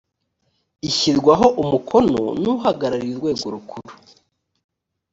ishyirwaho umukono n’ uhagarariye urwego rukuru